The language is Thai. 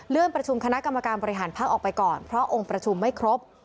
ประชุมคณะกรรมการบริหารพักออกไปก่อนเพราะองค์ประชุมไม่ครบ